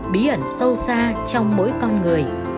bí ẩn sâu xa trong mỗi con người